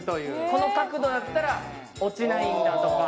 この角度だったら落ちないんだとか。